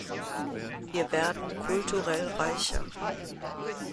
Wir werden kulturell reicher.